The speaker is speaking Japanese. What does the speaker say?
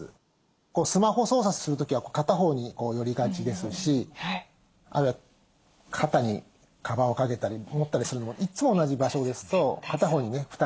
スマホ操作する時は片方にこう寄りがちですしあるいは肩にカバンをかけたり持ったりするのもいつも同じ場所ですと片方にね負担がかかりますし。